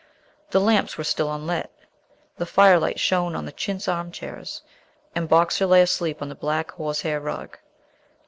The lamps were still unlit. The fire light shone on the chintz armchairs, and Boxer lay asleep on the black horse hair rug.